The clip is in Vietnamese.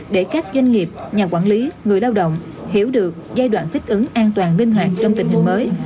để các doanh nghiệp nhà quản lý người lao động hiểu được giai đoạn thích ứng an toàn linh hoạt trong tình hình mới